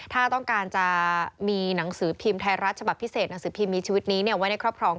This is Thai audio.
ถ้าต้องการจะมีหนังสือพิมพ์ไทยรัฐฉบับพิเศษหนังสือพิมพ์มีชีวิตนี้ไว้ในครอบครอง